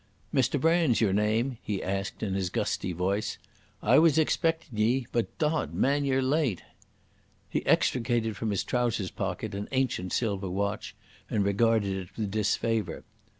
"Mr Brand's your name?" he asked in his gusty voice. "I was expectin' ye, but Dod! man ye're late!" He extricated from his trousers pocket an ancient silver watch, and regarded it with disfavour.